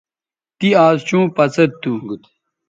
تی آز چوں پڅید تھو